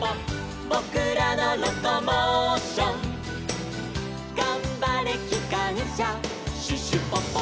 「ぼくらのロコモーション」「がんばれきかんしゃシュシュポポ」